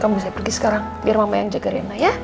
kamu bisa pergi sekarang biar mama yang jaga rena ya